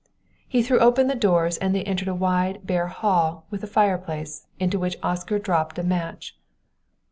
He threw open the doors and they entered a wide, bare hall, with a fireplace, into which Oscar dropped a match.